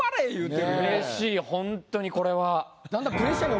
うれしいホントにこれは。